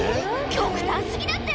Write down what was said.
⁉極端過ぎだって！